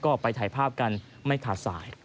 ก็ไปถ่ายภาพกันไม่ขาดสาย